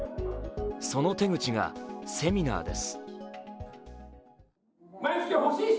その手口が、セミナーです。